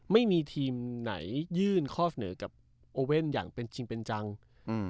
ไม่มีทีมไหนยื่นข้อเสนอกับโอเว่นอย่างเป็นจริงเป็นจังอืม